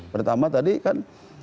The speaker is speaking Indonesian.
pertama tadi kan